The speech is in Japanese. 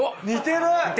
似てるわ。